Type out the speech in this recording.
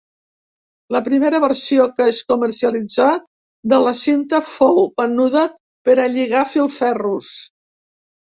La primera versió que es comercialitzà de la cinta fou venuda per a lligar filferros.